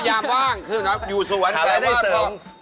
ยามวางยู่สวนครับ